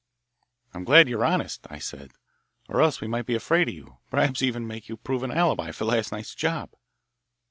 "I'm glad you're honest," I said, "or else we might be afraid of you perhaps even make you prove an alibi for last night's job!"